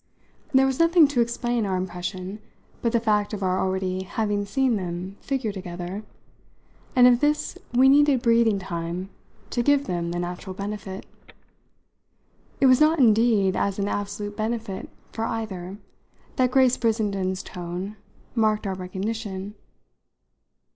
There was nothing to explain our impression but the fact of our already having seen them figure together, and of this we needed breathing time to give them the natural benefit. It was not indeed as an absolute benefit for either that Grace Brissenden's tone marked our recognition.